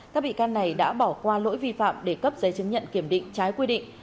các bị can này đã bỏ qua lỗi vi phạm để cấp giấy chứng nhận kiểm định trái quy định